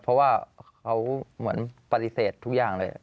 เพราะว่าเขาเหมือนปฏิเสธทุกอย่างเลย